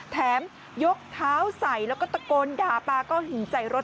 ยกเท้าใส่แล้วก็ตะโกนด่าปลาก้อนหินใส่รถ